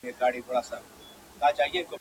څوک به د خوشال له توري ومینځي زنګونه.